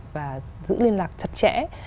và giữ liên lạc chặt chẽ